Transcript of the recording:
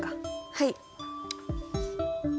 はい。